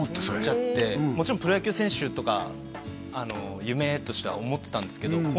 それ思っちゃってもちろんプロ野球選手とか夢としては思ってたんですけど